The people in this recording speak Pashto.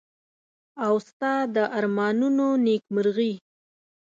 او ستا د ارمانونو نېکمرغي.